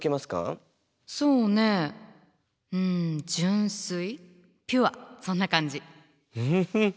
そうねうん純粋ピュアそんな感じ。